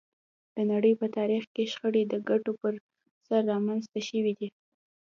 د نړۍ په تاریخ کې شخړې د ګټو پر سر رامنځته شوې دي